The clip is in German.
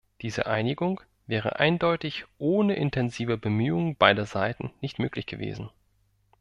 Diese Einigung wäre eindeutig ohne intensive Bemühungen beider Seiten nicht möglich gewesen.